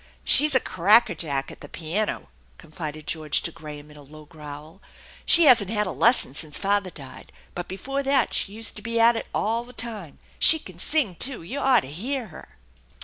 " She's a crackerjack at the piano !" confided George to Graham in a low growl. u She hasn't had a lesson since father died, but before that she used to be at it all the time. She c'n sing too. You oughtta hear her."